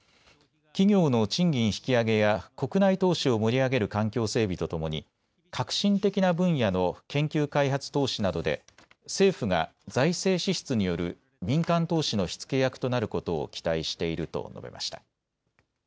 企業の賃金引き上げや国内投資を盛り上げる環境整備とともに革新的な分野の研究開発投資などで政府が財政支出による民間投資の火付け役となることを期待していると述べました。